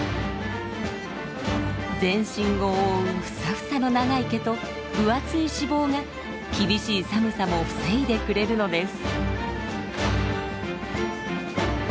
全身を覆うフサフサの長い毛と分厚い脂肪が厳しい寒さも防いでくれるのです。